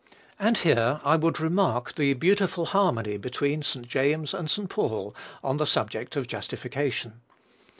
And here I would remark the beautiful harmony between St. James and St. Paul on the subject of justification.